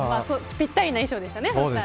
ぴったりな衣装でしたね。